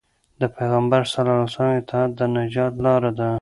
د پيغمبر ﷺ اطاعت د نجات لار ده.